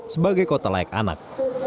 sebagai kota layak anak